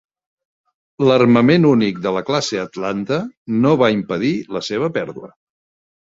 L'armament únic de la classe "Atlanta" no va impedir la seva pèrdua.